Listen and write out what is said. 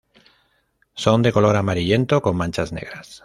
Son de color amarillento con manchas negras.